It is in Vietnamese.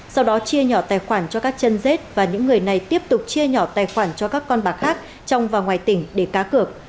sau đó chia nhỏ tài khoản cho các chân dết và những người này tiếp tục chia nhỏ tài khoản cho các con bạc khác trong và ngoài tỉnh để cá cược